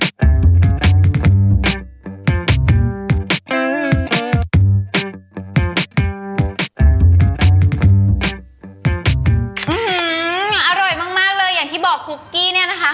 อร่อยมากเลยอย่างที่บอกคุกกี้เนี่ยนะคะ